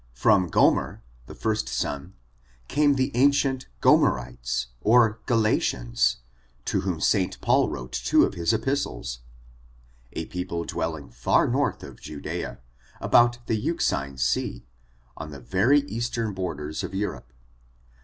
From GiOMER, the first son, came the ancient Go merites or Oalatians, to whom St. Paul wrote two of liis epistles, a people dwelling far north of Judea, about the Euxine Sea, on the very eastern borders of Europe.